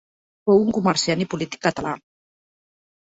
Fou un comerciant i polític català.